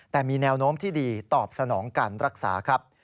แต่มีแนวโน้มที่ดีตอบสนองการรักษาครับ